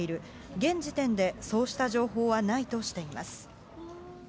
現時点でそうした情報はないとしています。